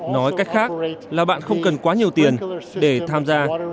nói cách khác là bạn không cần quá nhiều tiền để tham gia